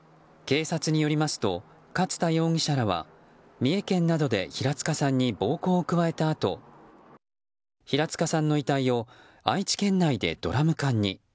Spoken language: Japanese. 警察によりますと勝田容疑者らは三重県などで平塚さんに暴行を加えたあと平塚さんの遺体を愛知県内でドラム缶に。